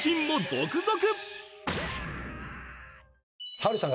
波瑠さん